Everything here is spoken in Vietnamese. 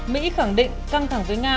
mỹ khẳng định căng thẳng với nga